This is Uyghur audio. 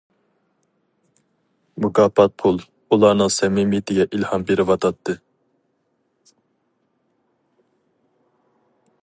مۇكاپات پۇل ئۇلارنىڭ سەمىمىيىتىگە ئىلھام بېرىۋاتاتتى.